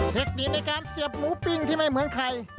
คนดีในการเสียบหมูปิ้งที่ไม่เหมือนไข่